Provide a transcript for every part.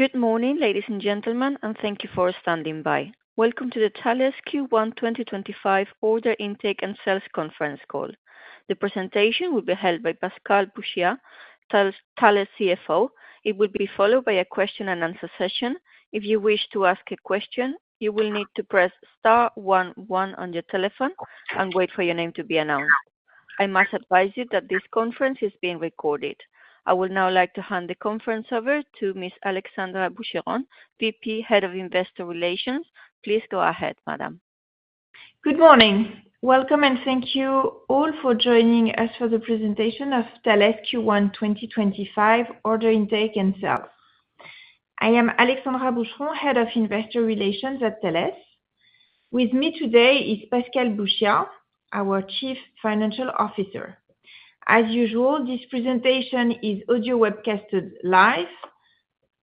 Good morning, ladies and gentlemen, and thank you for standing by. Welcome to the Thales Q1 2025 Order Intake and Sales Conference Call. The presentation will be held by Pascal Bouchiat, Thales CFO. It will be followed by a question-and-answer session. If you wish to ask a question, you will need to press star one one on your telephone and wait for your name to be announced. I must advise you that this conference is being recorded. I would now like to hand the conference over to Ms. Alexandra Boucheron, VP Head of Investor Relations. Please go ahead, madam. Good morning. Welcome, and thank you all for joining us for the presentation of Thales Q1 2025 Order Intake and Sales. I am Alexandra Boucheron, Head of Investor Relations at Thales. With me today is Pascal Bouchiat, our Chief Financial Officer. As usual, this presentation is audio-webcasted live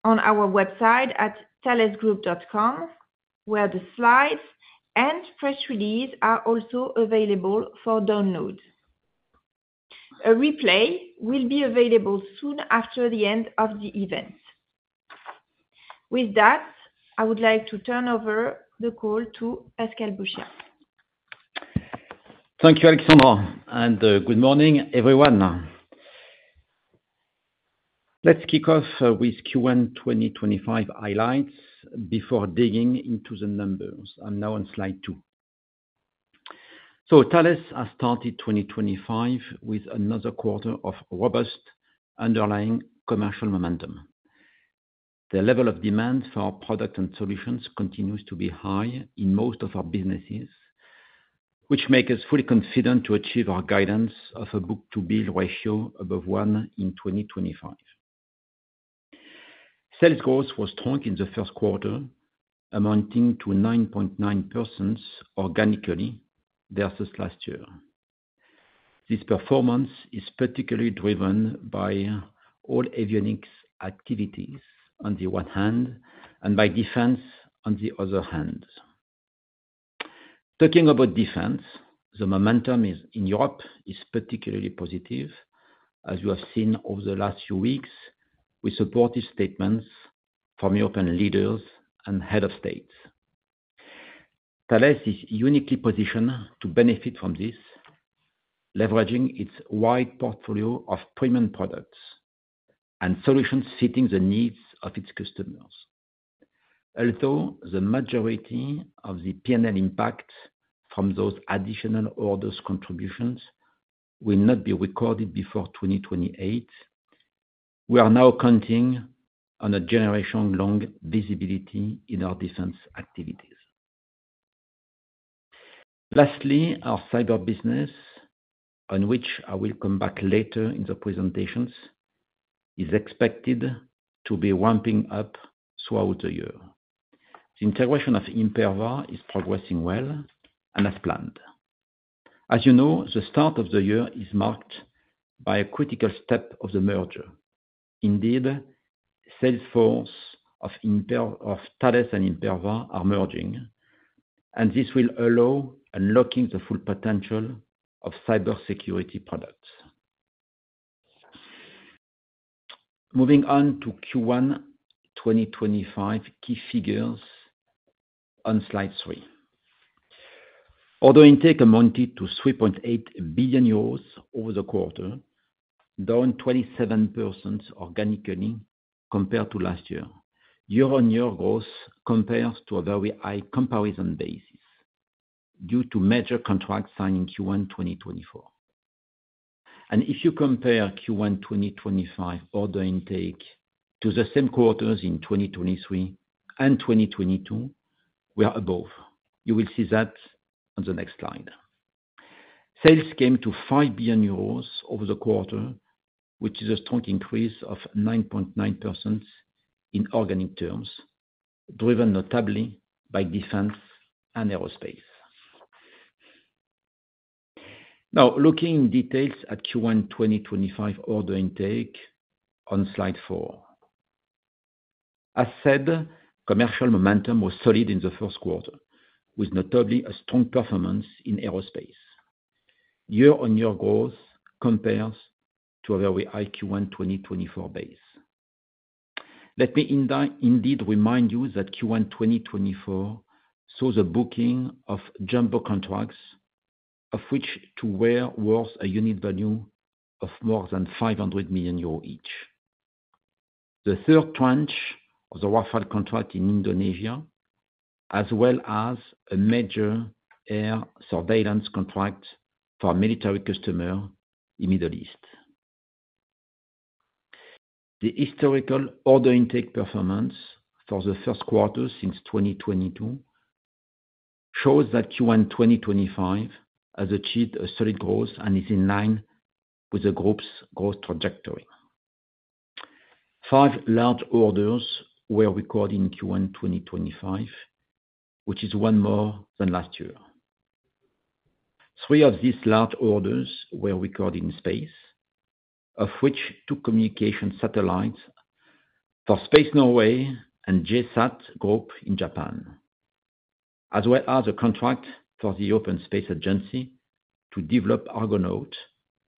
on our website at thalesgroup.com, where the slides and press release are also available for download. A replay will be available soon after the end of the event. With that, I would like to turn over the call to Pascal Bouchiat. Thank you, Alexandra, and good morning, everyone. Let's kick off with Q1 2025 highlights before digging into the numbers. I'm now on slide two. Thales has started 2025 with another quarter of robust underlying commercial momentum. The level of demand for our products and solutions continues to be high in most of our businesses, which makes us fully confident to achieve our guidance of a book-to-bill ratio above 1 in 2025. Sales growth was strong in the first quarter, amounting to 9.9% organically versus last year. This performance is particularly driven by all avionics activities on the one hand and by defense on the other hand. Talking about defense, the momentum in Europe is particularly positive, as we have seen over the last few weeks with supportive statements from European leaders and head of states. Thales is uniquely positioned to benefit from this, leveraging its wide portfolio of premium products and solutions fitting the needs of its customers. Although the majority of the P&L impact from those additional orders contributions will not be recorded before 2028, we are now counting on a generation-long visibility in our defense activities. Lastly, our cyber business, on which I will come back later in the presentations, is expected to be ramping up throughout the year. The integration of Imperva is progressing well and as planned. As you know, the start of the year is marked by a critical step of the merger. Indeed, sales force of Thales and Imperva are merging, and this will allow unlocking the full potential of cybersecurity products. Moving on to Q1 2025 key figures on slide three. Order intake amounted to 3.8 billion euros over the quarter, down 27% organically compared to last year. Year-on-year growth compares to a very high comparison basis due to major contracts signed in Q1 2024. If you compare Q1 2025 order intake to the same quarters in 2023 and 2022, we are above. You will see that on the next slide. Sales came to 5 billion euros over the quarter, which is a strong increase of 9.9% in organic terms, driven notably by defense and aerospace. Now, looking in detail at Q1 2025 order intake on slide four, as said, commercial momentum was solid in the first quarter, with notably a strong performance in aerospace. Year-on-year growth compares to a very high Q1 2024 base. Let me indeed remind you that Q1 2024 saw the booking of jumbo contracts, of which two were a unit value of more than 500 million euros each. The third tranche of the Rafale contract in Indonesia, as well as a major air surveillance contract for a military customer in the Middle East. The historical order intake performance for the first quarter since 2022 shows that Q1 2025 has achieved a solid growth and is in line with the group's growth trajectory. Five large orders were recorded in Q1 2025, which is one more than last year. Three of these large orders were recorded in space, of which two communication satellites for Space Norway and JSAT Group in Japan, as well as a contract for the European Space Agency to develop Argonaut,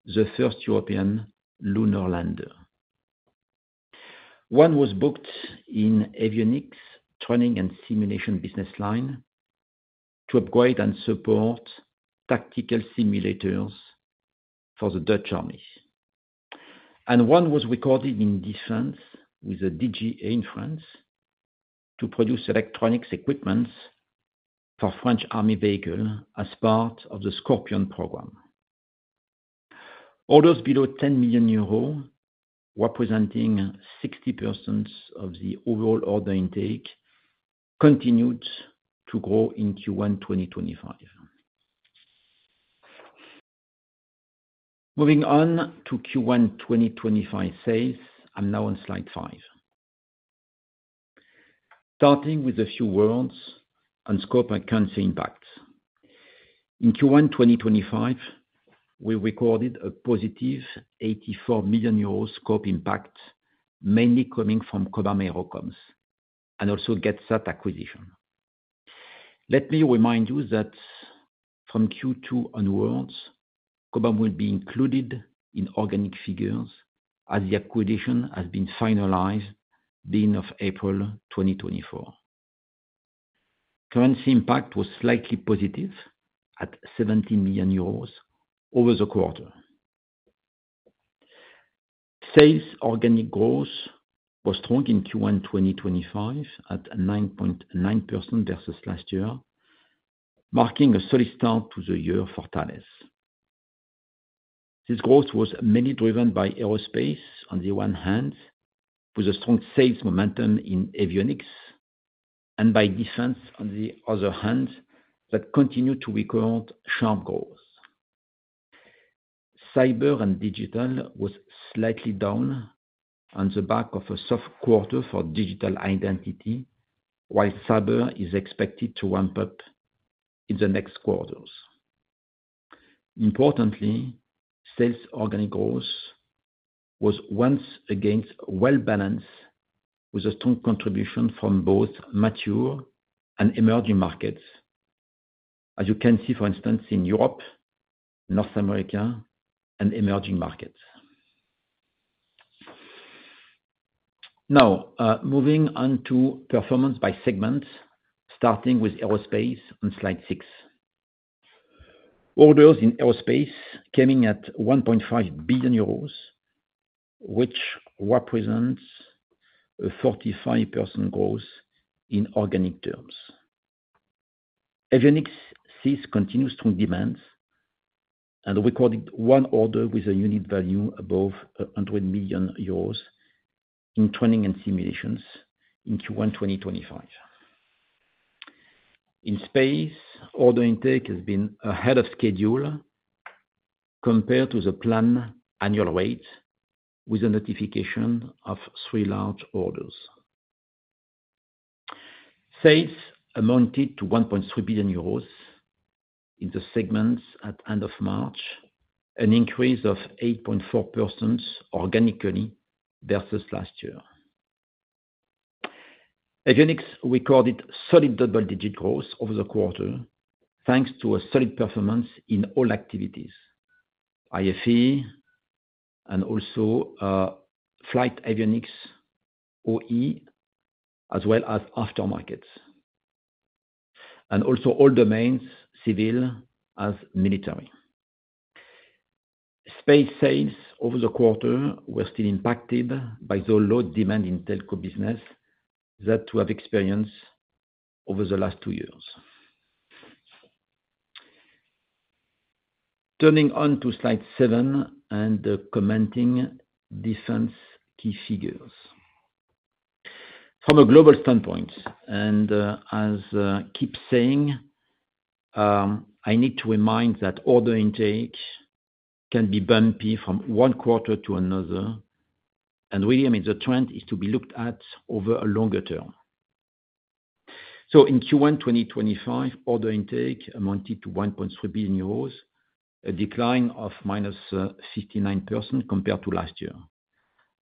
the first European lunar lander. One was booked in avionics training and simulation business line to upgrade and support tactical simulators for the Dutch army. One was recorded in defense with a DGA in France to produce electronics equipments for French army vehicles as part of the Scorpion program. Orders below 10 million euros representing 60% of the overall order intake continued to grow in Q1 2025. Moving on to Q1 2025 sales, I'm now on slide five. Starting with a few words on scope and currency impact. In Q1 2025, we recorded a positive 84 million euros scope impact, mainly coming from Cobham AeroComms and also Get SAT acquisition. Let me remind you that from Q2 onwards, Cobham will be included in organic figures as the acquisition has been finalized at the end of April 2024. Currency impact was slightly positive at 17 million euros over the quarter. Sales organic growth was strong in Q1 2025 at 9.9% versus last year, marking a solid start to the year for Thales. This growth was mainly driven by aerospace on the one hand, with a strong sales momentum in avionics, and by defense on the other hand that continued to record sharp growth. Cyber and digital was slightly down on the back of a soft quarter for digital identity, while cyber is expected to ramp up in the next quarters. Importantly, sales organic growth was once again well balanced with a strong contribution from both mature and emerging markets, as you can see, for instance, in Europe, North America, and emerging markets. Now, moving on to performance by segment, starting with aerospace on slide six. Orders in aerospace came in at 1.5 billion euros, which represents a 45% growth in organic terms. Avionics sees continued strong demands and recorded one order with a unit value above 100 million euros in training and simulations in Q1 2025. In space, order intake has been ahead of schedule compared to the planned annual rate, with a notification of three large orders. Sales amounted to 1.3 billion euros in the segments at the end of March, an increase of 8.4% organically versus last year. Avionics recorded solid double-digit growth over the quarter thanks to a solid performance in all activities: IFE and also flight avionics OE, as well as aftermarkets, and also all domains, civil as military. Space sales over the quarter were still impacted by the low demand in telco business that we have experienced over the last two years. Turning on to slide seven and commenting defense key figures. From a global standpoint, and as I keep saying, I need to remind that order intake can be bumpy from one quarter to another, and really, I mean, the trend is to be looked at over a longer term. In Q1 2025, order intake amounted to 1.3 billion euros, a decline of -59% compared to last year.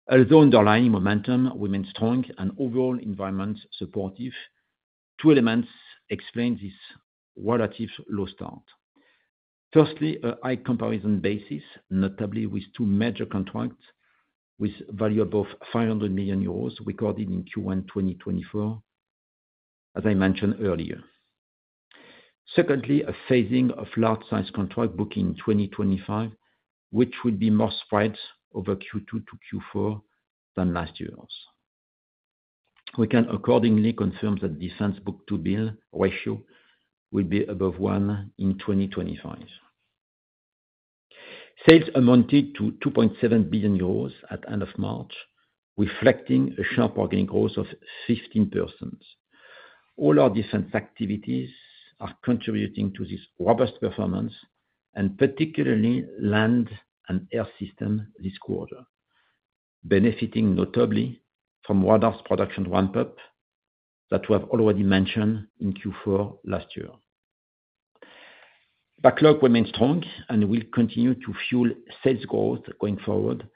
Although underlying momentum remained strong and overall environment supportive, two elements explain this relative low start. Firstly, a high comparison basis, notably with two major contracts with value above 500 million euros recorded in Q1 2024, as I mentioned earlier. Secondly, a phasing of large-sized contract booking in 2025, which will be more spread over Q2-Q4 than last year's. We can accordingly confirm that defense book-to-bill ratio will be above one in 2025. Sales amounted to 2.7 billion euros at the end of March, reflecting a sharp organic growth of 15%. All our defense activities are contributing to this robust performance and particularly land and air system this quarter, benefiting notably from radars production ramp-up that we have already mentioned in Q4 last year. Backlog remains strong and will continue to fuel sales growth going forward,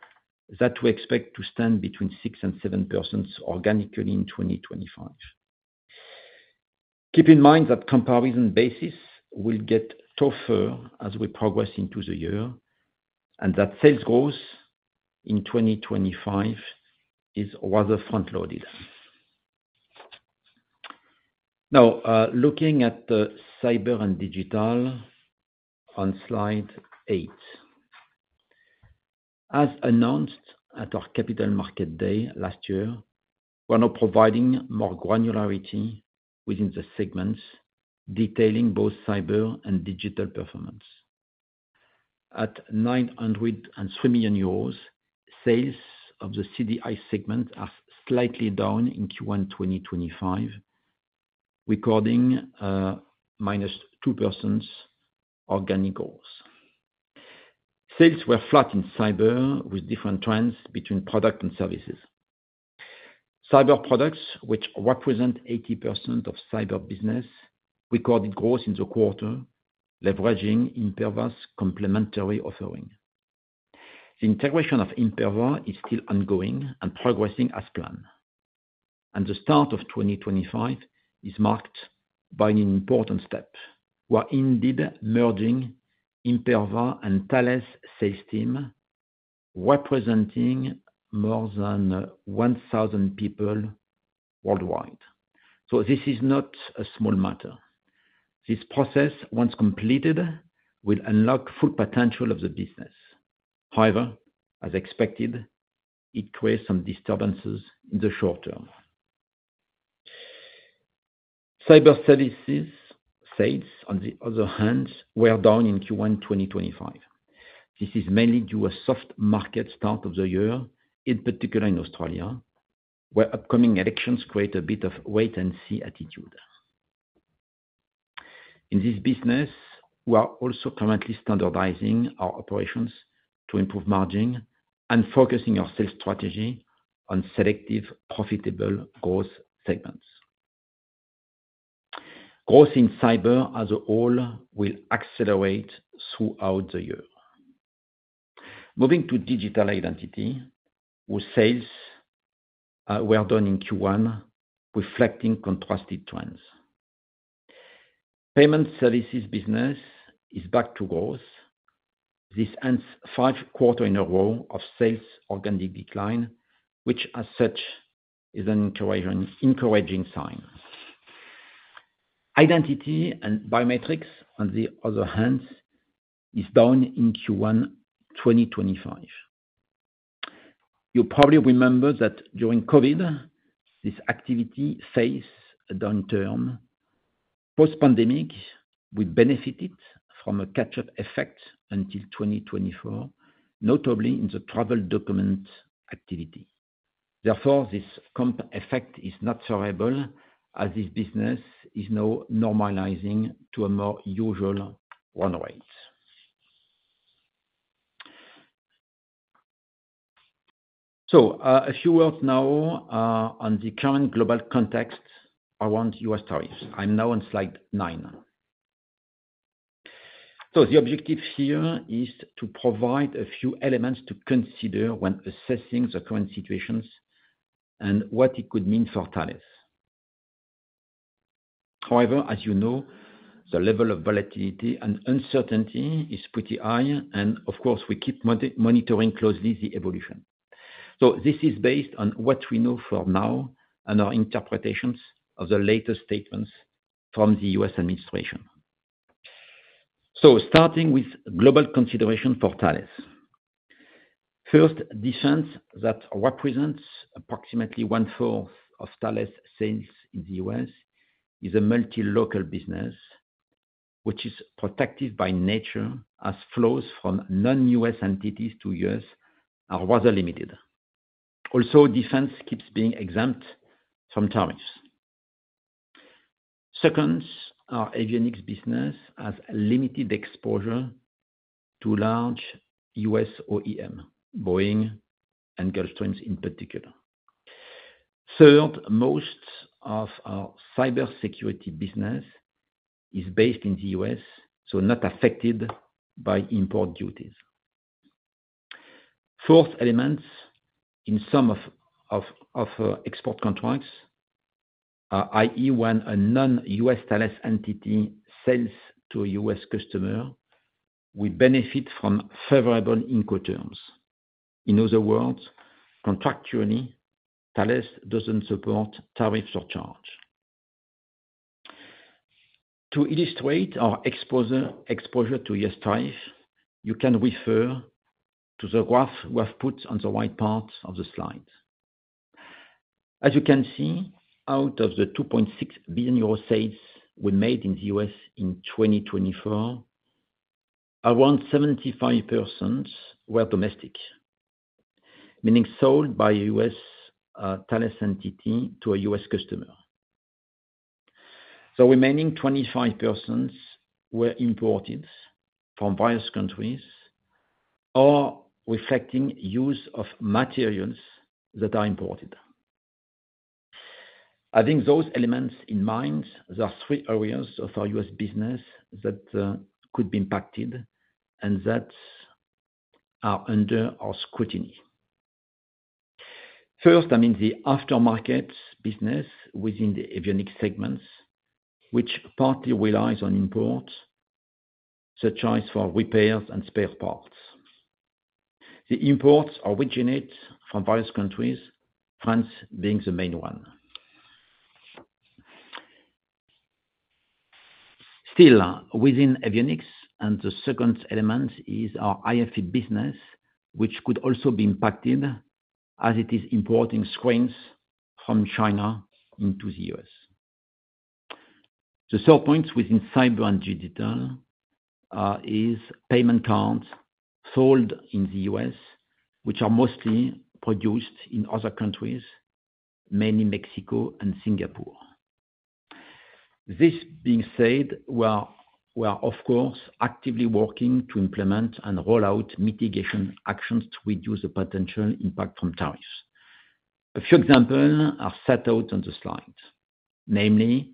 that we expect to stand between 6% and 7% organically in 2025. Keep in mind that comparison basis will get tougher as we progress into the year and that sales growth in 2025 is rather front-loaded. Now, looking at the cyber and digital on slide eight, as announced at our Capital Markets Day last year, we are now providing more granularity within the segments detailing both cyber and digital performance. At 903 million euros, sales of the CDI segment are slightly down in Q1 2025, recording minus 2% organic growth. Sales were flat in cyber with different trends between product and services. Cyber products, which represent 80% of cyber business, recorded growth in the quarter, leveraging Imperva's complementary offering. The integration of Imperva is still ongoing and progressing as planned. The start of 2025 is marked by an important step. We are indeed merging Imperva and Thales sales team, representing more than 1,000 people worldwide. This is not a small matter. This process, once completed, will unlock full potential of the business. However, as expected, it creates some disturbances in the short term. Cyber services sales, on the other hand, were down in Q1 2025. This is mainly due to a soft market start of the year, in particular in Australia, where upcoming elections create a bit of wait-and-see attitude. In this business, we are also currently standardizing our operations to improve margin and focusing our sales strategy on selective, profitable growth segments. Growth in cyber as a whole will accelerate throughout the year. Moving to digital identity, sales were down in Q1, reflecting contrasted trends. Payment services business is back to growth. This ends five quarters in a row of sales organic decline, which as such is an encouraging sign. Identity and biometrics, on the other hand, is down in Q1 2025. You probably remember that during COVID, this activity faced a downturn. Post-pandemic, we benefited from a catch-up effect until 2024, notably in the travel document activity. Therefore, this comp effect is not survivable as this business is now normalizing to a more usual run rate. A few words now on the current global context around U.S. tariffs. I am now on slide nine. The objective here is to provide a few elements to consider when assessing the current situations and what it could mean for Thales. However, as you know, the level of volatility and uncertainty is pretty high, and of course, we keep monitoring closely the evolution. This is based on what we know for now and our interpretations of the latest statements from the U.S. administration. Starting with global consideration for Thales. First, defense that represents approximately 1/4 of Thales' sales in the U.S. is a multi-local business, which is protected by nature as flows from non-U.S. entities to U.S. are rather limited. Also, defense keeps being exempt from tariffs. Second, our avionics business has limited exposure to large U.S. OEM, Boeing and Gulfstream in particular. Third, most of our cybersecurity business is based in the U.S., so not affected by import duties. Fourth element, in some of our export contracts, i.e., when a non-U.S. Thales entity sells to a U.S. customer, we benefit from favorable Incoterms. In other words, contractually, Thales doesn't support tariff surcharge. To illustrate our exposure to U.S. tariff, you can refer to the graph we have put on the right part of the slide. As you can see, out of the 2.6 billion euro sales we made in the U.S. in 2024, around 75% were domestic, meaning sold by a U.S. Thales entity to a U.S. customer. The remaining 25% were imported from various countries or reflecting use of materials that are imported. Having those elements in mind, there are three areas of our U.S. business that could be impacted and that are under our scrutiny. First, I mean the aftermarket business within the avionics segments, which partly relies on imports, such as for repairs and spare parts. The imports originate from various countries, France being the main one. Still, within avionics, and the second element is our IFE business, which could also be impacted as it is importing screens from China into the U.S. The sore points within cyber and digital are payment cards sold in the U.S., which are mostly produced in other countries, mainly Mexico and Singapore. This being said, we are, of course, actively working to implement and roll out mitigation actions to reduce the potential impact from tariffs. A few examples are set out on the slide, namely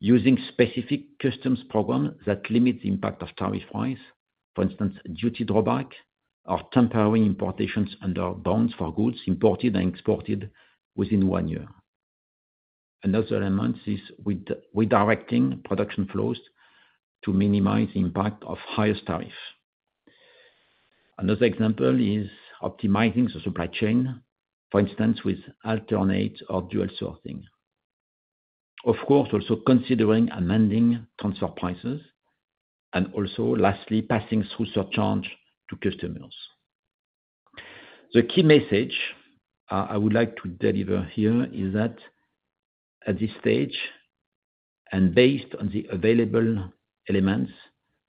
using specific customs programs that limit the impact of tariff price, for instance, duty drawback or temporary importations under bonds for goods imported and exported within one year. Another element is redirecting production flows to minimize the impact of higher tariffs. Another example is optimizing the supply chain, for instance, with alternate or dual sourcing. Of course, also considering amending transfer prices and also, lastly, passing through surcharge to customers. The key message I would like to deliver here is that at this stage, and based on the available elements,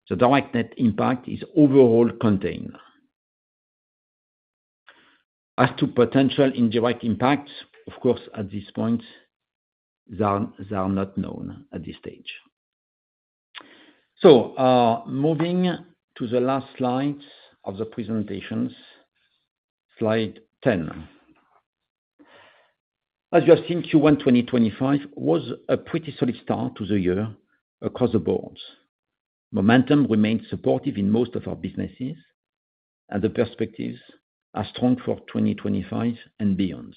the direct net impact is overall contained. As to potential indirect impacts, of course, at this point, they are not known at this stage. Moving to the last slides of the presentations, slide 10. As you have seen, Q1 2025 was a pretty solid start to the year across the board. Momentum remained supportive in most of our businesses, and the perspectives are strong for 2025 and beyond.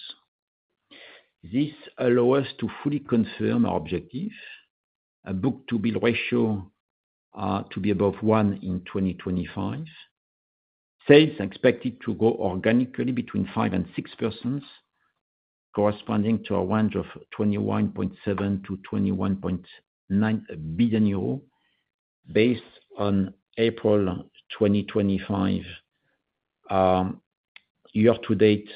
This allows us to fully confirm our objective, a book-to-bill ratio to be above one in 2025. Sales are expected to grow organically between 5% and 6%, corresponding to a range of 21.7 billion-21.9 billion euros based on April 2025 year-to-date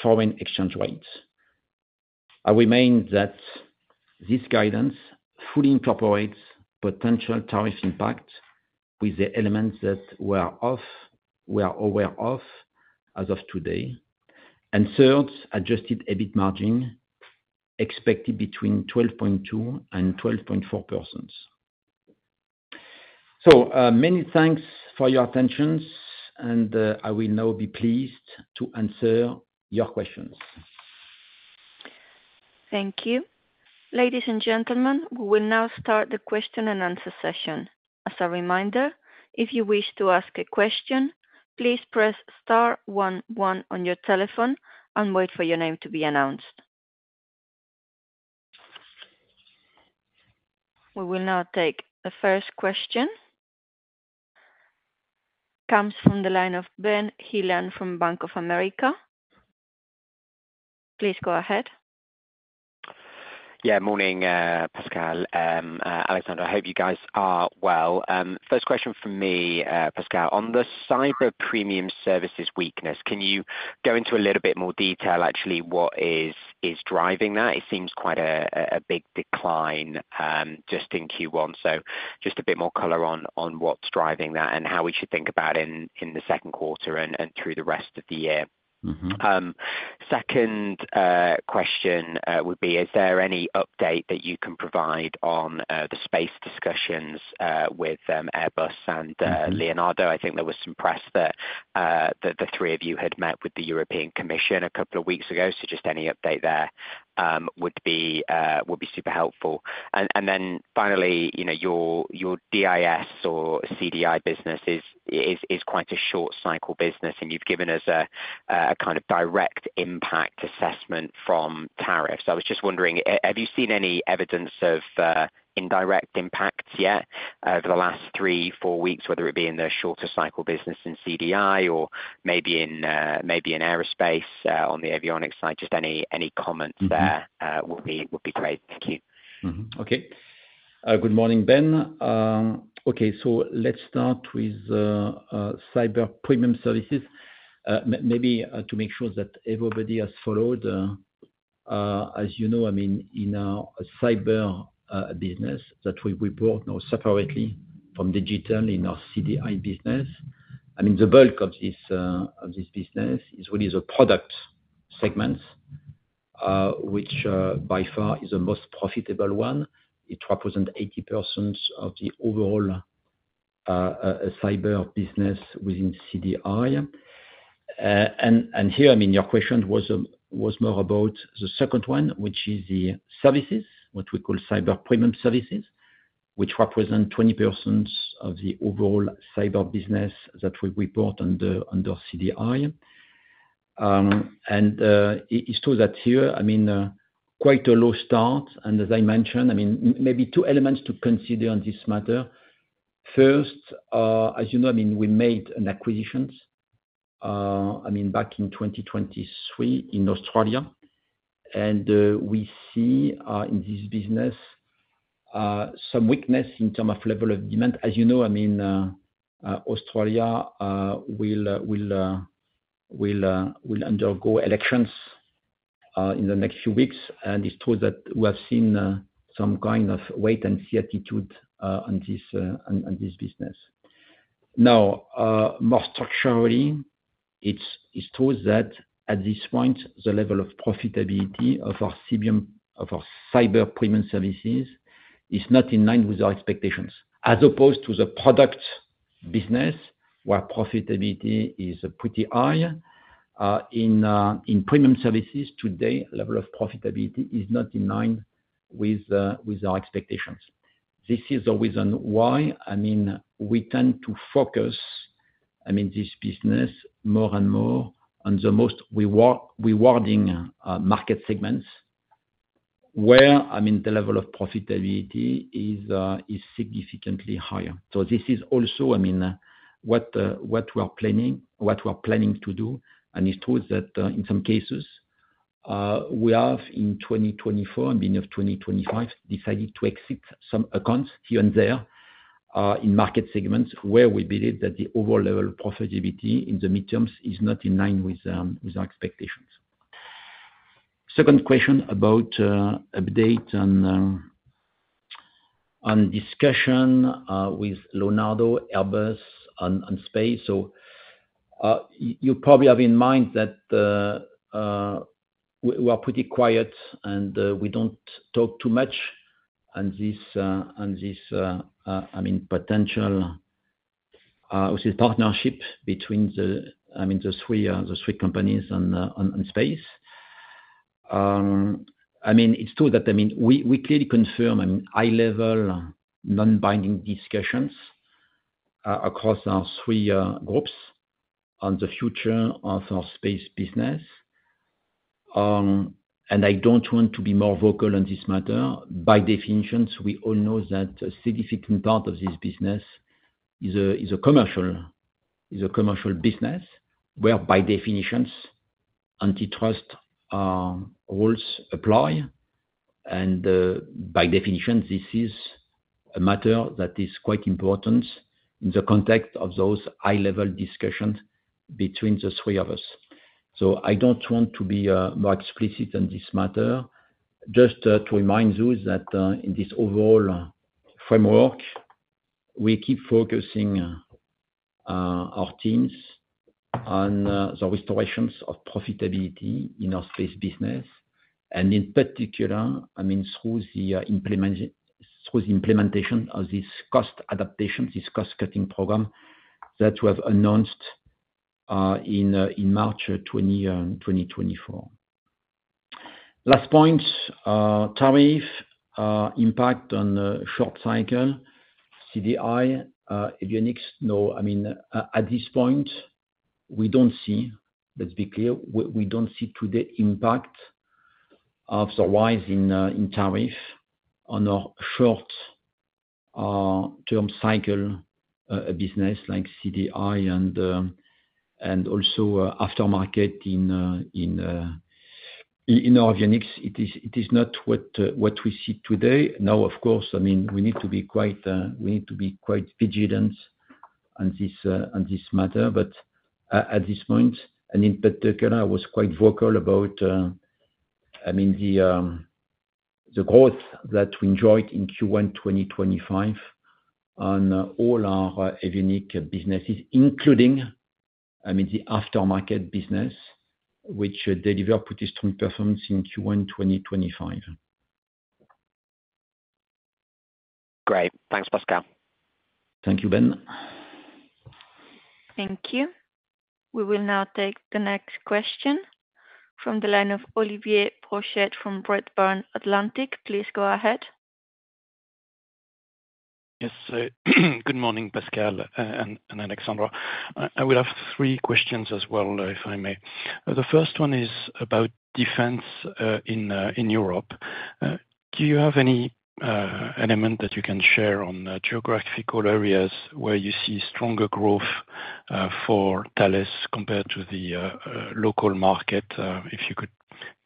foreign exchange rates. I remain that this guidance fully incorporates potential tariff impact with the elements that we are aware of as of today, and third, adjusted EBIT margin expected between 12.2%-12.4%. Many thanks for your attention, and I will now be pleased to answer your questions. Thank you. Ladies and gentlemen, we will now start the question and answer session. As a reminder, if you wish to ask a question, please press star one one on your telephone and wait for your name to be announced. We will now take the first question. Comes from the line of Ben Heelan from Bank of America. Please go ahead. Yeah. Morning, Pascal. Alexandra, I hope you guys are well. First question for me, Pascal. On the cyber premium services weakness, can you go into a little bit more detail, actually, what is driving that? It seems quite a big decline just in Q1. Just a bit more color on what's driving that and how we should think about it in the second quarter and through the rest of the year. Second question would be, is there any update that you can provide on the space discussions with Airbus and Leonardo? I think there was some press that the three of you had met with the European Commission a couple of weeks ago, so just any update there would be super helpful. Finally, your DIS or CDI business is quite a short-cycle business, and you've given us a kind of direct impact assessment from tariffs. I was just wondering, have you seen any evidence of indirect impacts yet over the last three, four weeks, whether it be in the shorter-cycle business in CDI or maybe in aerospace on the avionics side? Just any comments there would be great. Thank you. Okay. Good morning, Ben. Okay. Let's start with cyber premium services, maybe to make sure that everybody has followed. As you know, I mean, in our cyber business that we brought separately from digital in our CDI business, I mean, the bulk of this business is really the product segment, which by far is the most profitable one. It represents 80% of the overall cyber business within CDI. Here, I mean, your question was more about the second one, which is the services, what we call cyber premium services, which represent 20% of the overall cyber business that we report under CDI. It's true that here, I mean, quite a low start. As I mentioned, I mean, maybe two elements to consider on this matter. First, as you know, I mean, we made an acquisition, I mean, back in 2023 in Australia, and we see in this business some weakness in terms of level of demand. As you know, I mean, Australia will undergo elections in the next few weeks, and it's true that we have seen some kind of wait and see attitude on this business. Now, more structurally, it's true that at this point, the level of profitability of our cyber premium services is not in line with our expectations, as opposed to the product business, where profitability is pretty high. In premium services today, level of profitability is not in line with our expectations. This is the reason why, I mean, we tend to focus, I mean, this business more and more on the most rewarding market segments where, I mean, the level of profitability is significantly higher. This is also, I mean, what we are planning to do. It's true that in some cases, we have in 2024 and the end of 2025, decided to exit some accounts here and there in market segments where we believe that the overall level of profitability in the midterms is not in line with our expectations. Second question about update on discussion with Leonardo, Airbus on space. You probably have in mind that we are pretty quiet and we don't talk too much on this, I mean, potential partnership between, I mean, the three companies on space. It's true that, I mean, we clearly confirm, I mean, high-level non-binding discussions across our three groups on the future of our space business. I don't want to be more vocal on this matter. By definition, we all know that a significant part of this business is a commercial business where, by definition, antitrust rules apply. By definition, this is a matter that is quite important in the context of those high-level discussions between the three of us. I don't want to be more explicit on this matter. Just to remind you that in this overall framework, we keep focusing our teams on the restorations of profitability in our space business. In particular, I mean, through the implementation of this cost adaptation, this cost-cutting program that we have announced in March 2024. Last point, tariff impact on short-cycle CDI avionics. No, I mean, at this point, we don't see, let's be clear, we don't see today impact of the rise in tariff on our short-term cycle business like CDI and also aftermarket in our avionics. It is not what we see today. Now, of course, I mean, we need to be quite vigilant on this matter. At this point, and in particular, I was quite vocal about, I mean, the growth that we enjoyed in Q1 2025 on all our avionic businesses, including, I mean, the aftermarket business, which delivered pretty strong performance in Q1 2025. Great. Thanks, Pascal. Thank you, Ben. Thank you. We will now take the next question from the line of Olivier Brochet from Redburn Atlantic. Please go ahead. Yes. Good morning, Pascal and Alexandra. I would have three questions as well, if I may. The first one is about defense in Europe. Do you have any element that you can share on geographical areas where you see stronger growth for Thales compared to the local market? If you could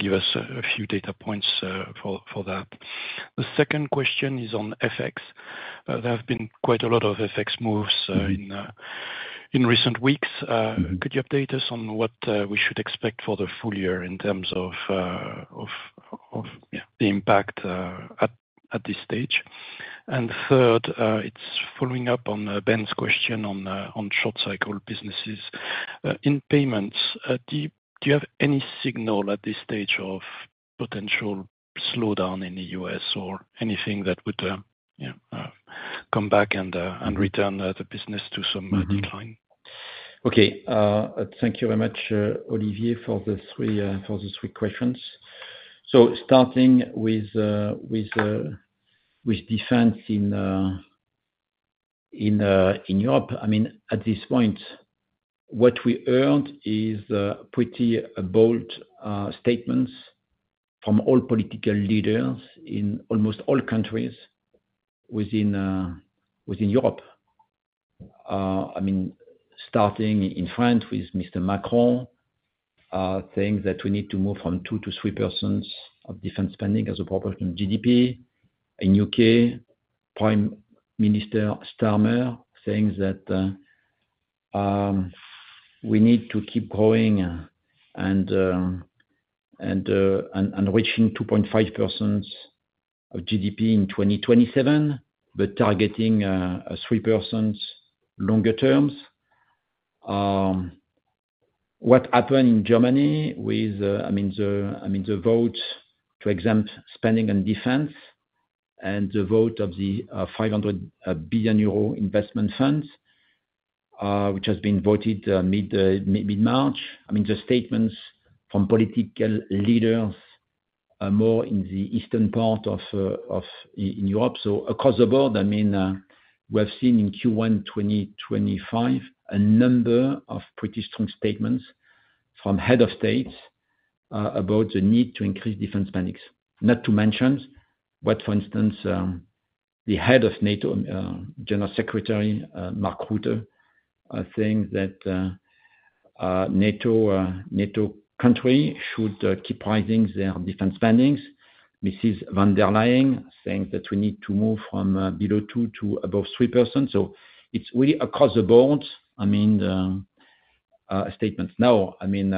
give us a few data points for that. The second question is on FX. There have been quite a lot of FX moves in recent weeks. Could you update us on what we should expect for the full year in terms of the impact at this stage? The third, it's following up on Ben's question on short-cycle businesses. In payments, do you have any signal at this stage of potential slowdown in the U.S. or anything that would come back and return the business to some decline? Okay. Thank you very much, Olivier, for the three questions. Starting with defense in Europe, I mean, at this point, what we heard is pretty bold statements from all political leaders in almost all countries within Europe. I mean, starting in France with Mr. Macron, saying that we need to move from 2% to 3% of defense spending as a proportion of GDP. In the U.K., Prime Minister Starmer saying that we need to keep growing and reaching 2.5% of GDP in 2027, but targeting 3% longer term. What happened in Germany with, I mean, the vote to exempt spending on defense and the vote of the 500 billion euro investment fund, which has been voted mid-March? I mean, the statements from political leaders more in the eastern part of Europe. Across the board, I mean, we have seen in Q1 2025 a number of pretty strong statements from heads of state about the need to increase defense spending. Not to mention what, for instance, the head of NATO, General Secretary Mark Rutte, thinks that NATO countries should keep rising their defense spending. Mrs. Von der Leyen thinks that we need to move from below 2% to above 3%. It is really across the board, I mean, statements. Now, I mean,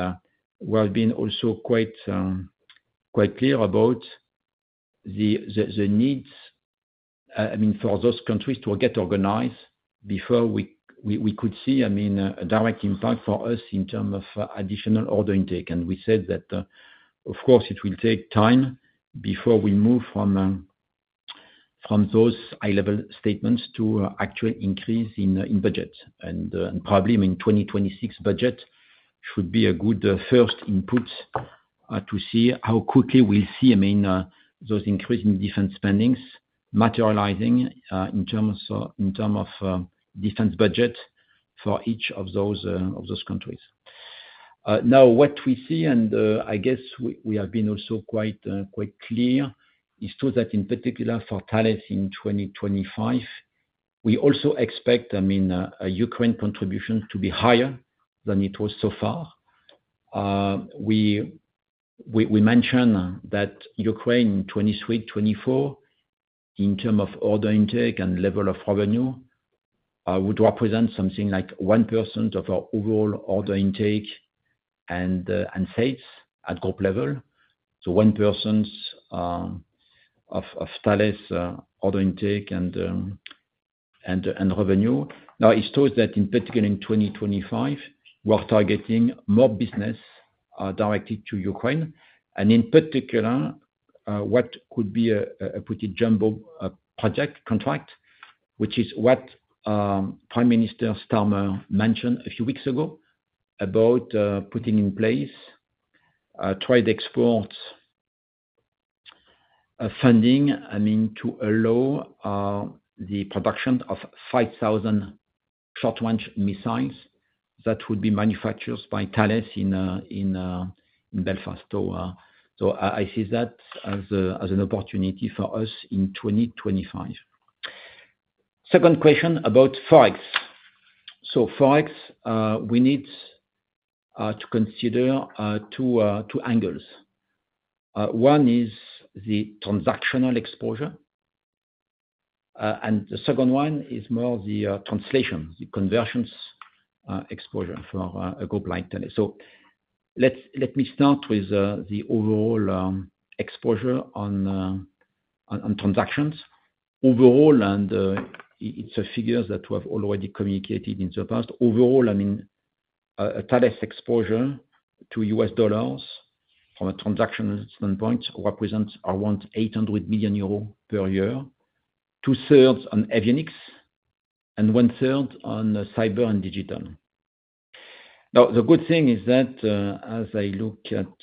we have been also quite clear about the needs, I mean, for those countries to get organized before we could see, I mean, a direct impact for us in terms of additional order intake. We said that, of course, it will take time before we move from those high-level statements to actual increase in budget. Probably, I mean, 2026 budget should be a good first input to see how quickly we will see, I mean, those increasing defense spendings materializing in terms of defense budget for each of those countries. Now, what we see, and I guess we have been also quite clear, is true that in particular for Thales in 2025, we also expect, I mean, Ukraine contribution to be higher than it was so far. We mentioned that Ukraine in 2023, 2024, in terms of order intake and level of revenue, would represent something like 1% of our overall order intake and sales at group level. So 1% of Thales order intake and revenue. Now, it's true that in particular in 2025, we're targeting more business directed to Ukraine. In particular, what could be a pretty jumbo project contract, which is what Prime Minister Starmer mentioned a few weeks ago about putting in place trade export funding, I mean, to allow the production of 5,000 short-range missiles that would be manufactured by Thales in Belfast. I see that as an opportunity for us in 2025. Second question about Forex. Forex, we need to consider two angles. One is the transactional exposure, and the second one is more the translation, the conversions exposure for a group like Thales. Let me start with the overall exposure on transactions. Overall, and it's a figure that we have already communicated in the past. Overall, I mean, Thales exposure to U.S. dollars from a transactional standpoint represents around 800 million euros per year, 2/3 on avionics, and 1/3 on cyber and digital. Now, the good thing is that as I look at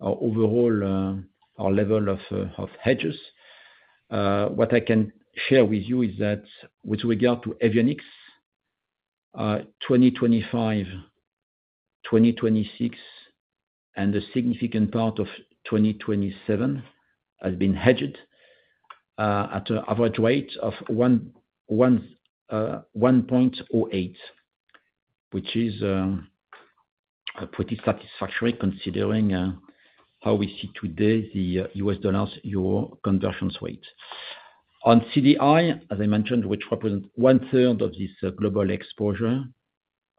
our overall level of hedges, what I can share with you is that with regard to avionics, 2025, 2026, and a significant part of 2027 has been hedged at an average rate of 1.08, which is pretty satisfactory considering how we see today the U.S. dollars/Euro conversions rate. On CDI, as I mentioned, which represents 1/3 of this global exposure,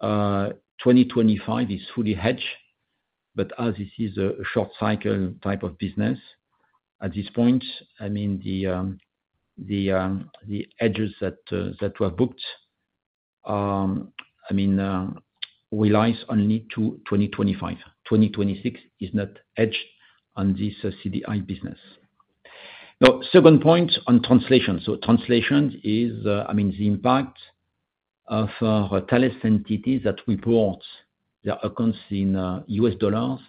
2025 is fully hedged. As this is a short-cycle type of business, at this point, I mean, the hedges that were booked, I mean, relies only to 2025. 2026 is not hedged on this CDI business. Now, second point on translation. Translation is, I mean, the impact of Thales entities that report their accounts in U.S. dollars,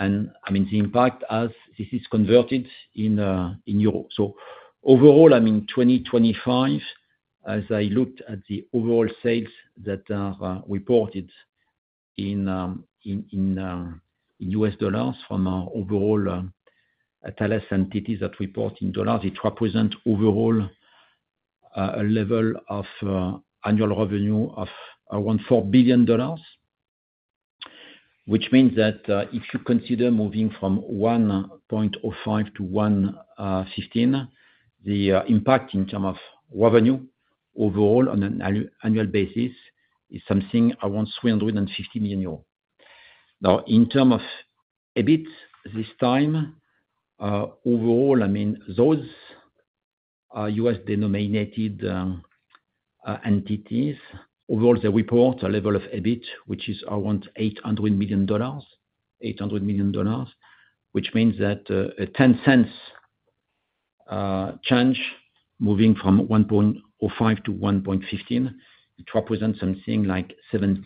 and I mean, the impact as this is converted in EUR. Overall, I mean, 2025, as I looked at the overall sales that are reported in U.S. dollars from our overall Thales entities that report in dollars, it represents overall level of annual revenue of around $4 billion, which means that if you consider moving from 1.05 to 1.15, the impact in terms of revenue overall on an annual basis is something around 350 million euros. Now, in terms of EBIT this time, overall, I mean, those U.S.-denominated entities, overall, they report a level of EBIT, which is around $800 million, $800 million, which means that a $0.10 change moving from 1.05 to 1.15, it represents something like 70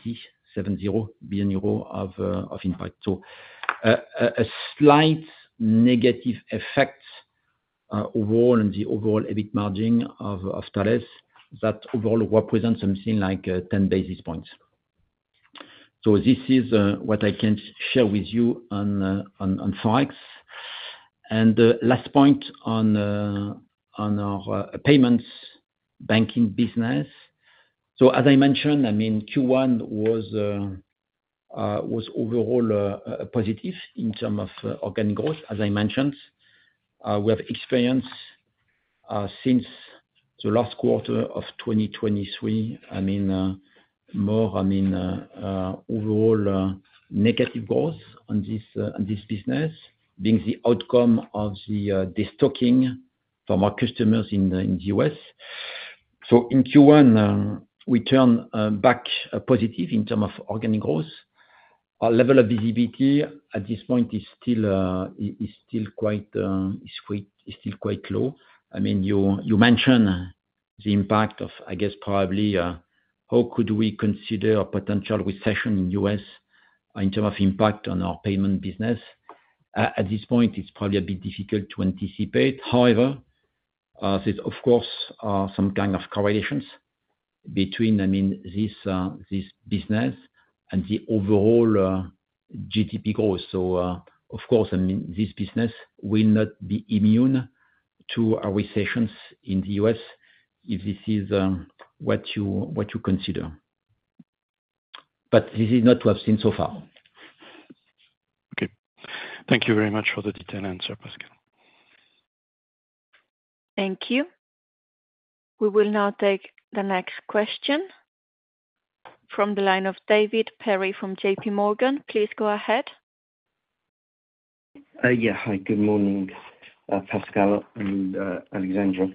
million euro of impact. A slight negative effect overall on the overall EBIT margin of Thales that overall represents something like 10 basis points. This is what I can share with you on Forex. Last point on our payments banking business. As I mentioned, I mean, Q1 was overall positive in terms of organic growth. As I mentioned, we have experienced since the last quarter of 2023, I mean, more overall negative growth on this business being the outcome of the stocking from our customers in the U.S. In Q1, we turned back positive in terms of organic growth. Our level of visibility at this point is still quite low. I mean, you mentioned the impact of, I guess, probably how could we consider a potential recession in the U.S. in terms of impact on our payment business. At this point, it's probably a bit difficult to anticipate. However, there's, of course, some kind of correlations between, I mean, this business and the overall GDP growth. Of course, I mean, this business will not be immune to recessions in the US if this is what you consider. This is not what we've seen so far. Okay. Thank you very much for the detailed answer, Pascal. Thank you. We will now take the next question from the line of David Perry from JP Morgan. Please go ahead. Yeah. Hi. Good morning, Pascal and Alexandra.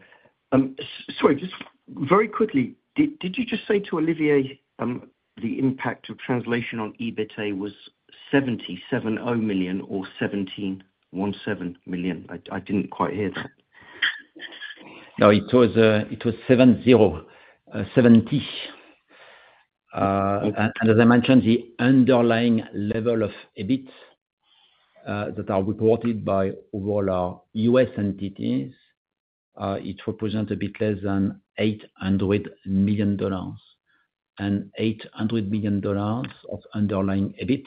Sorry, just very quickly, did you just say to Olivier the impact of translation on EBITDA was 770 million or 1,717 million? I didn't quite hear that. No, it was 770 million. And as I mentioned, the underlying level of EBIT that are reported by overall our U.S. entities, it represents a bit less than $800 million. And $800 million of underlying EBIT,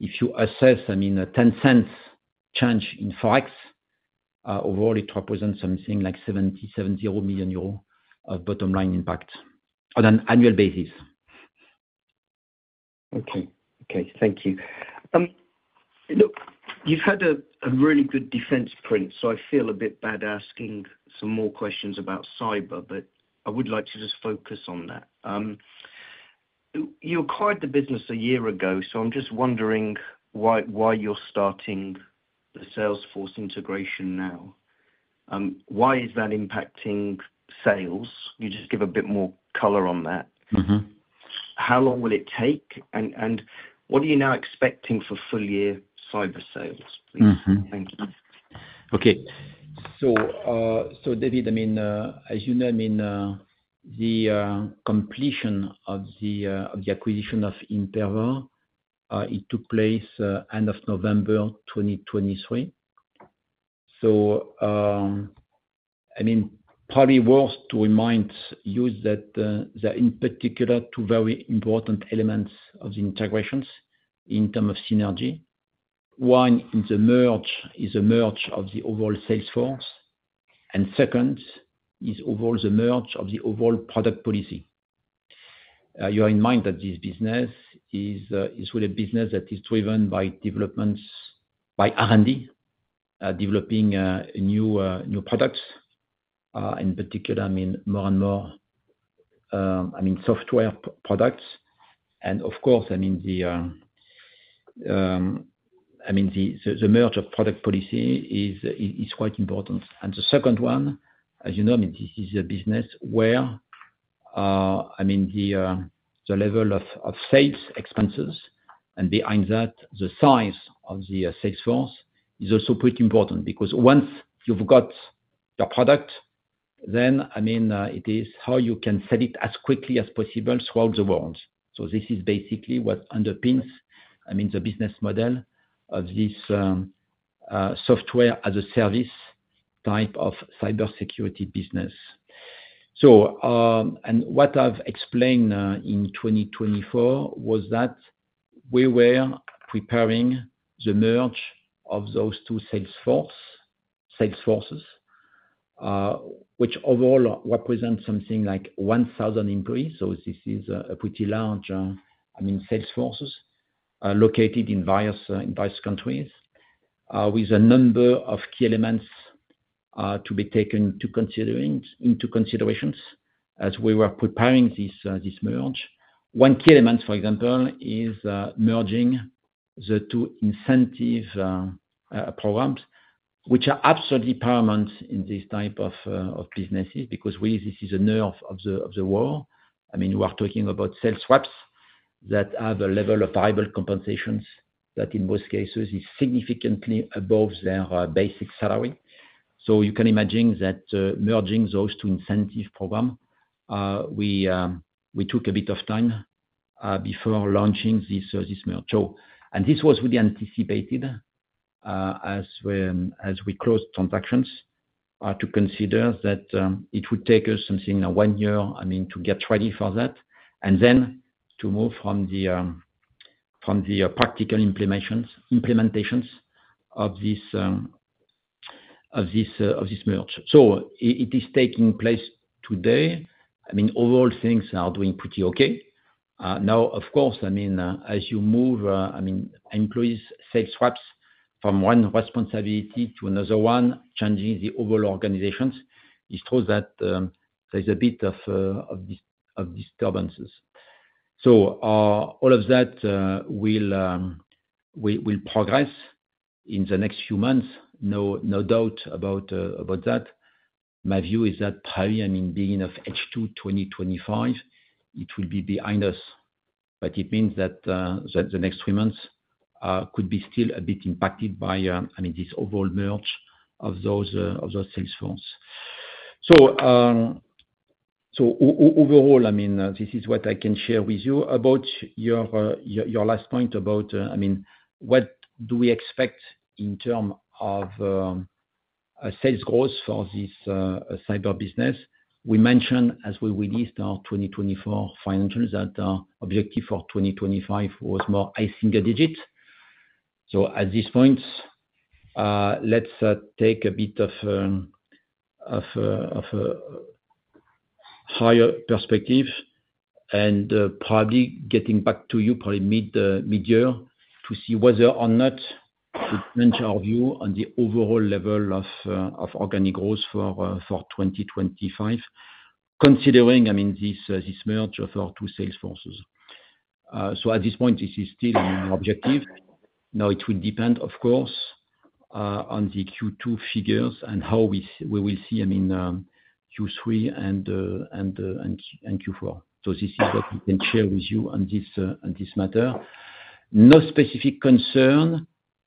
if you assess, I mean, a $0.10 change in Forex, overall, it represents something like 770 million euros of bottom line impact on an annual basis. Okay. Okay. Thank you. You've had a really good defense print, so I feel a bit bad asking some more questions about cyber, but I would like to just focus on that. You acquired the business a year ago, so I'm just wondering why you're starting the sales force integration now. Why is that impacting sales? You just give a bit more color on that. How long will it take? And what are you now expecting for full-year cyber sales, please? Thank you. Okay. David, I mean, as you know, the completion of the acquisition of Imperva, it took place end of November 2023. I mean, probably worth to remind you that there are in particular two very important elements of the integrations in terms of synergy. One is the merge of the overall sales force. Second is overall the merge of the overall product policy. You are in mind that this business is really a business that is driven by developments, by R&D, developing new products, in particular, I mean, more and more, software products. Of course, the merge of product policy is quite important. The second one, as you know, I mean, this is a business where, I mean, the level of sales expenses and behind that, the size of the sales force is also pretty important because once you've got your product, then, I mean, it is how you can sell it as quickly as possible throughout the world. This is basically what underpins, I mean, the business model of this software-as-a-service type of cybersecurity business. What I've explained in 2024 was that we were preparing the merge of those two sales forces, which overall represents something like 1,000 employees. This is a pretty large, I mean, sales forces located in various countries with a number of key elements to be taken into considerations as we were preparing this merge. One key element, for example, is merging the two incentive programs, which are absolutely paramount in this type of businesses because really this is a nerve of the world. I mean, we are talking about sales reps that have a level of variable compensations that in most cases is significantly above their basic salary. You can imagine that merging those two incentive programs, we took a bit of time before launching this merge. This was really anticipated as we closed transactions to consider that it would take us something like one year, I mean, to get ready for that, and then to move from the practical implementations of this merge. It is taking place today. I mean, overall, things are doing pretty okay. Now, of course, I mean, as you move, I mean, employees, sales reps from one responsibility to another one, changing the overall organizations, it's true that there is a bit of disturbances. All of that will progress in the next few months, no doubt about that. My view is that probably, I mean, beginning of H2 2025, it will be behind us. It means that the next three months could be still a bit impacted by, I mean, this overall merge of those sales force. Overall, I mean, this is what I can share with you about your last point about, I mean, what do we expect in terms of sales growth for this cyber business. We mentioned as we released our 2024 financials that our objective for 2025 was more high single digits. At this point, let's take a bit of a higher perspective and probably get back to you probably mid-year to see whether or not to change our view on the overall level of organic growth for 2025, considering, I mean, this merge of our two sales forces. At this point, this is still an objective. It will depend, of course, on the Q2 figures and how we will see, I mean, Q3 and Q4. This is what we can share with you on this matter. No specific concern,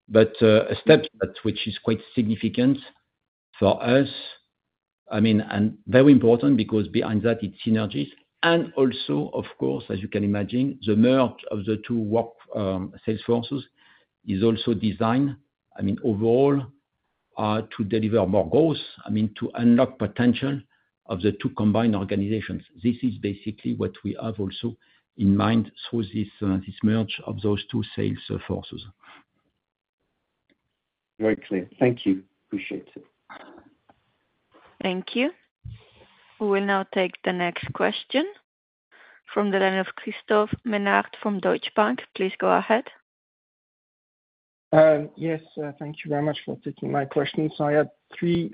but a step which is quite significant for us, I mean, and very important because behind that, it's synergies. Also, of course, as you can imagine, the merge of the two sales forces is also designed, I mean, overall to deliver more growth, I mean, to unlock potential of the two combined organizations. This is basically what we have also in mind through this merge of those two sales forces. Very clear. Thank you. Appreciate it. Thank you. We will now take the next question from the line of Christophe Menard from Deutsche Bank. Please go ahead. Yes. Thank you very much for taking my questions. I had three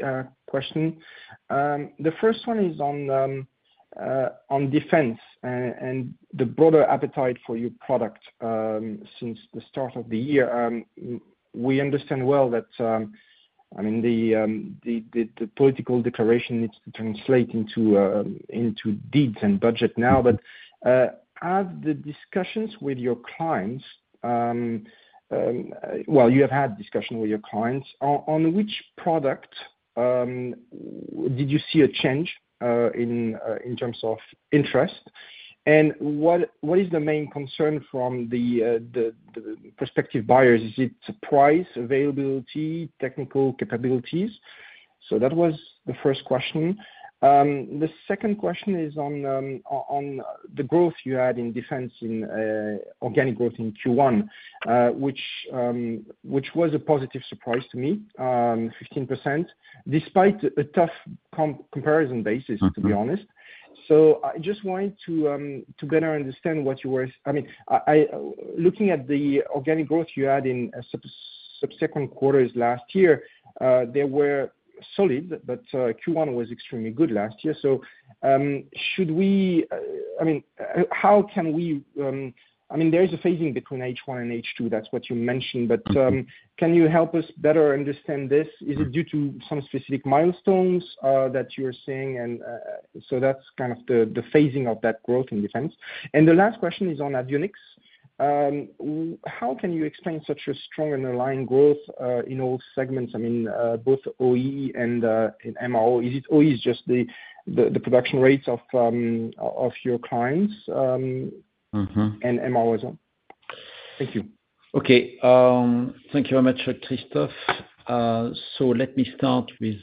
questions. The first one is on defense and the broader appetite for your product since the start of the year. We understand well that, I mean, the political declaration needs to translate into deeds and budget now. Have the discussions with your clients—well, you have had discussions with your clients—on which product did you see a change in terms of interest? What is the main concern from the prospective buyers? Is it price, availability, technical capabilities? That was the first question. The second question is on the growth you had in defense, in organic growth in Q1, which was a positive surprise to me, 15%, despite a tough comparison basis, to be honest. I just wanted to better understand what you were—I mean, looking at the organic growth you had in subsequent quarters last year, they were solid, but Q1 was extremely good last year. Should we—I mean, how can we—I mean, there is a phasing between H1 and H2. That is what you mentioned. Can you help us better understand this? Is it due to some specific milestones that you are seeing? That is kind of the phasing of that growth in defense. The last question is on avionics. How can you explain such a strong underlying growth in all segments, I mean, both OE and MRO? Is it OE is just the production rates of your clients and MRO as well? Thank you. Okay. Thank you very much, Christophe. Let me start with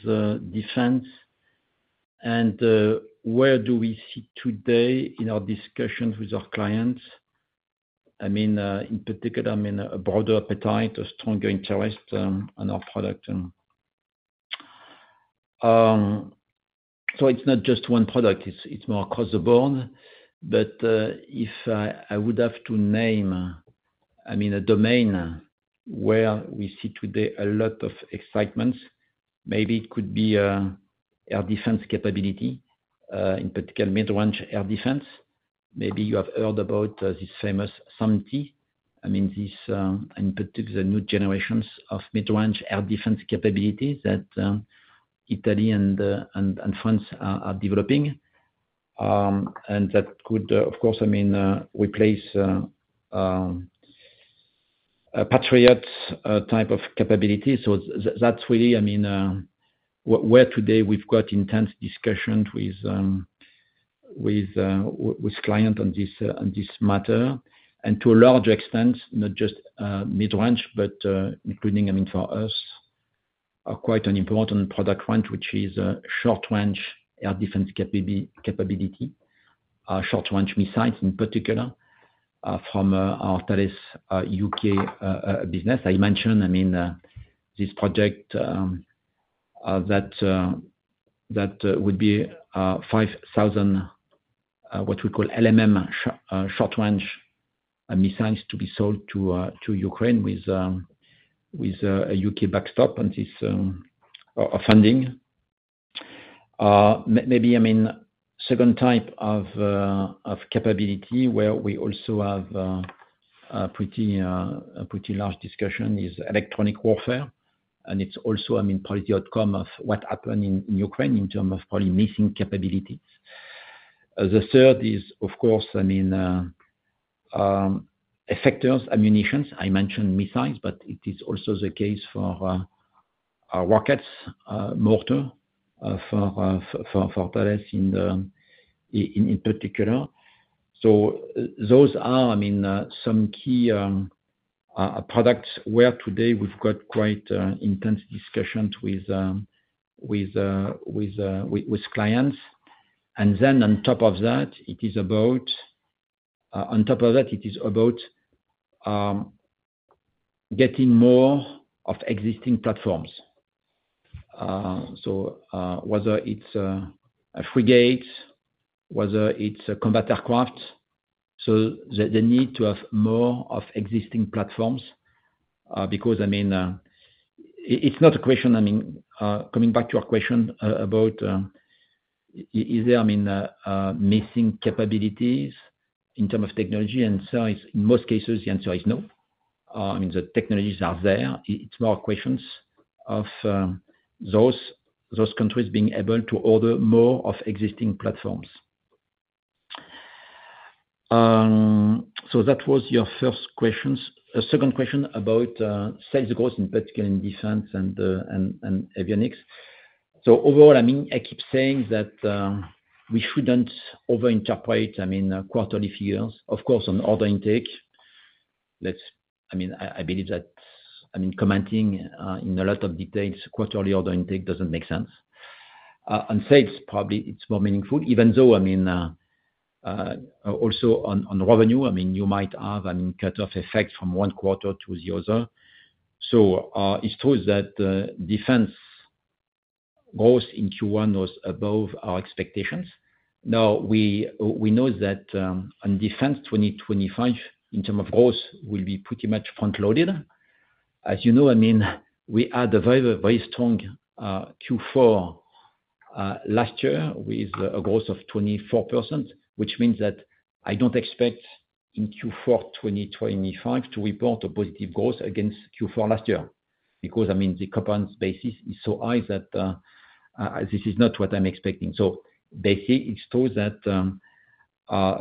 defense. Where do we see today in our discussions with our clients? I mean, in particular, I mean, a broader appetite, a stronger interest on our product. It is not just one product. It is more across the board. If I would have to name, I mean, a domain where we see today a lot of excitement, maybe it could be air defense capability, in particular, mid-range air defense. Maybe you have heard about this famous SAMP/T, I mean, these in particular, the new generations of mid-range air defense capabilities that Italy and France are developing. That could, of course, I mean, replace Patriot type of capability. That's really, I mean, where today we've got intense discussions with clients on this matter. To a large extent, not just mid-range, but including, I mean, for us, quite an important product range which is short-range air defense capability, short-range missiles in particular from our Thales U.K. business. I mentioned, I mean, this project that would be 5,000 what we call LMM short-range missiles to be sold to Ukraine with a U.K. backstop on this funding. Maybe, I mean, second type of capability where we also have a pretty large discussion is electronic warfare. It's also, I mean, probably the outcome of what happened in Ukraine in terms of probably missing capabilities. The third is, of course, I mean, effectors, ammunitions. I mentioned missiles, but it is also the case for rockets, mortar for Thales in particular. Those are, I mean, some key products where today we've got quite intense discussions with clients. On top of that, it is about getting more of existing platforms. So whether it's a frigate, whether it's a combat aircraft. They need to have more of existing platforms because, I mean, it's not a question, I mean, coming back to your question about, is there, I mean, missing capabilities in terms of technology? In most cases, the answer is no. I mean, the technologies are there. It's more questions of those countries being able to order more of existing platforms. That was your first question. Second question about sales growth, in particular, in defense and avionics. Overall, I mean, I keep saying that we shouldn't overinterpret, I mean, quarterly figures. Of course, on order intake, I mean, I believe that, I mean, commenting in a lot of details, quarterly order intake doesn't make sense. On sales, probably it's more meaningful, even though, I mean, also on revenue, I mean, you might have, I mean, cut-off effect from one quarter to the other. It is true that defense growth in Q1 was above our expectations. Now, we know that on defense 2025, in terms of growth, will be pretty much front-loaded. As you know, I mean, we had a very, very strong Q4 last year with a growth of 24%, which means that I don't expect in Q4 2025 to report a positive growth against Q4 last year because, I mean, the compound basis is so high that this is not what I'm expecting. Basically, it's true that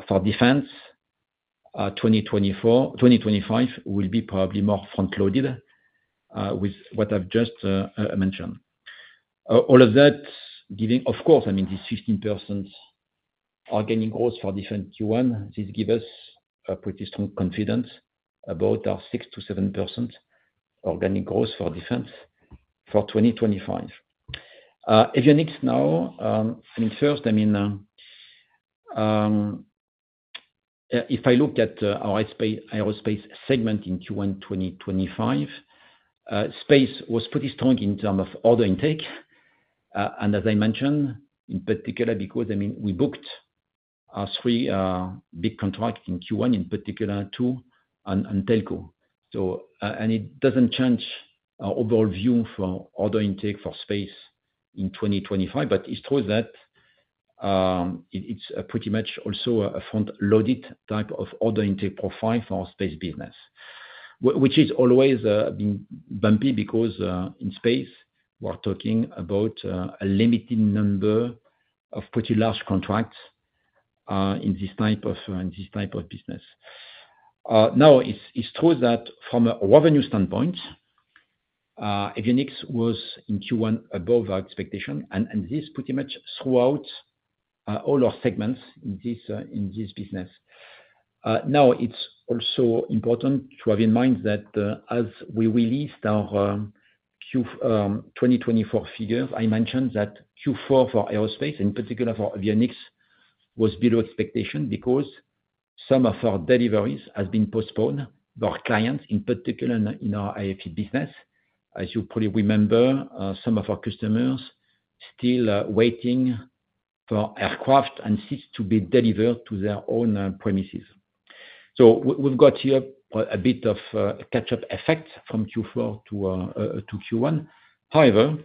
for defense, 2025 will be probably more front-loaded with what I've just mentioned. All of that, giving, of course, I mean, these 15% organic growth for defense Q1, this gives us a pretty strong confidence about our 6%-7% organic growth for defense for 2025. Avionics now, I mean, first, I mean, if I look at our aerospace segment in Q1 2025, space was pretty strong in terms of order intake. As I mentioned, in particular, because, I mean, we booked three big contracts in Q1, in particular two on telco. It does not change our overall view for order intake for space in 2025, but it is true that it is pretty much also a front-loaded type of order intake profile for the space business, which has always been bumpy because in space, we are talking about a limited number of pretty large contracts in this type of business. Now, it is true that from a revenue standpoint, avionics was in Q1 above our expectation, and this pretty much throughout all our segments in this business. Now, it is also important to have in mind that as we released our Q2 2024 figures, I mentioned that Q4 for aerospace, in particular for avionics, was below expectation because some of our deliveries have been postponed by our clients, in particular in our IFE business. As you probably remember, some of our customers are still waiting for aircraft and seats to be delivered to their own premises. We've got here a bit of a catch-up effect from Q4 to Q1. However,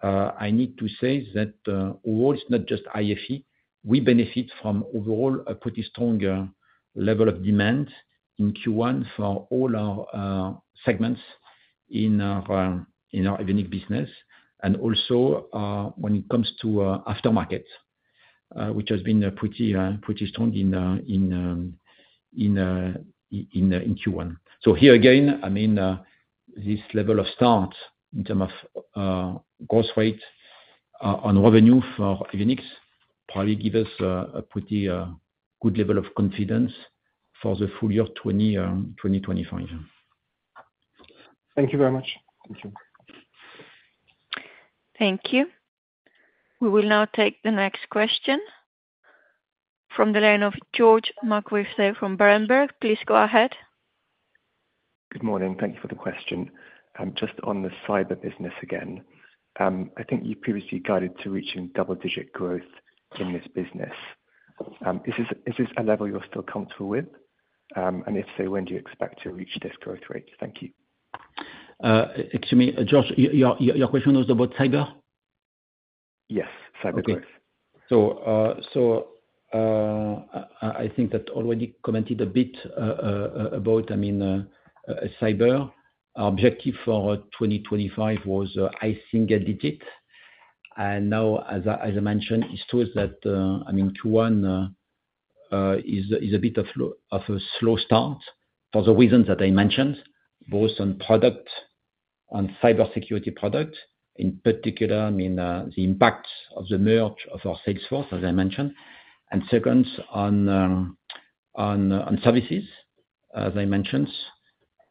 I need to say that overall, it's not just IFE. We benefit from overall a pretty strong level of demand in Q1 for all our segments in our avionics business and also when it comes to aftermarket, which has been pretty strong in Q1. Here again, I mean, this level of start in terms of gross weight on revenue for avionics probably gives us a pretty good level of confidence for the full year 2025. Thank you very much. Thank you. Thank you. We will now take the next question from the line of George McWhirter from Berenberg. Please go ahead. Good morning. Thank you for the question. Just on the cyber business again, I think you've previously guided to reaching double-digit growth in this business. Is this a level you're still comfortable with? If so, when do you expect to reach this growth rate? Thank you. Excuse me, George, your question was about cyber? Yes. Cyber growth. I think that I already commented a bit about, I mean, cyber. Our objective for 2025 was, I think, a digit. Now, as I mentioned, it's true that, I mean, Q1 is a bit of a slow start for the reasons that I mentioned, both on cybersecurity product, in particular, I mean, the impact of the merge of our sales force, as I mentioned, and second on services, as I mentioned,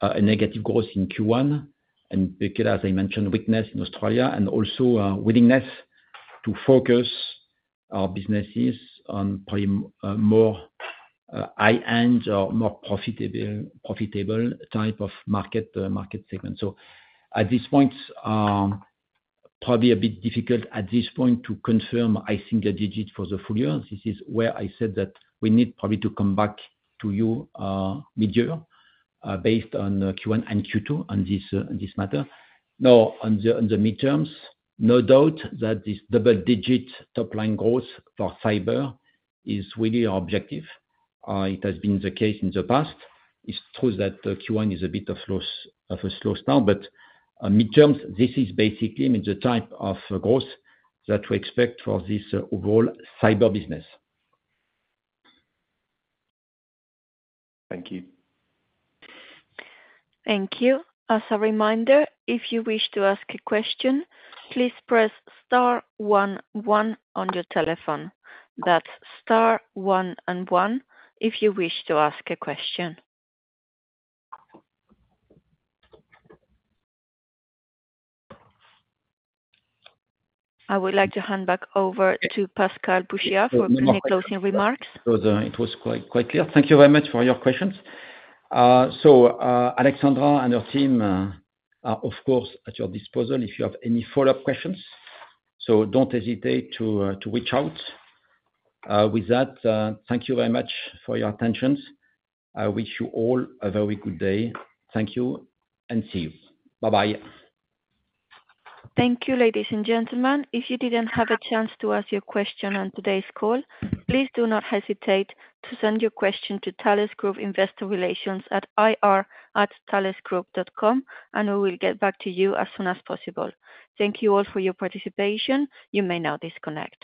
a negative growth in Q1, in particular, as I mentioned, weakness in Australia, and also willingness to focus our businesses on probably more high-end or more profitable type of market segment. At this point, probably a bit difficult at this point to confirm, I think, a digit for the full year. This is where I said that we need probably to come back to you mid-year based on Q1 and Q2 on this matter. Now, on the midterms, no doubt that this double-digit top-line growth for cyber is really our objective. It has been the case in the past. It's true that Q1 is a bit of a slow start, but midterms, this is basically, I mean, the type of growth that we expect for this overall cyber business. Thank you. Thank you. As a reminder, if you wish to ask a question, please press star one one on your telephone. That's star one one if you wish to ask a question. I would like to hand back over to Pascal Bouchiat for a few closing remarks. It was quite clear. Thank you very much for your questions. Alexandra and her team are, of course, at your disposal if you have any follow-up questions. Do not hesitate to reach out. With that, thank you very much for your attention. I wish you all a very good day. Thank you and see you. Bye-bye. Thank you, ladies and gentlemen. If you did not have a chance to ask your question on today's call, please do not hesitate to send your question to Thales Group Investor Relations at ir@thalesgroup.com, and we will get back to you as soon as possible. Thank you all for your participation. You may now disconnect.